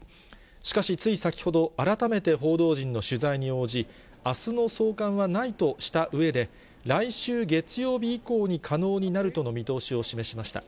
しかしつい先ほど、改めて報道陣の取材に応じ、あすの送還はないとしたうえで、来週月曜日以降に可能になるとの見通しを示しました。